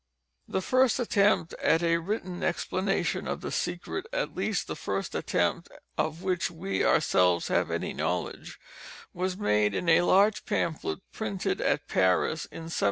The first attempt at a written explanation of the secret, at least the first attempt of which we ourselves have any knowledge, was made in a large pamphlet printed at Paris in 1785.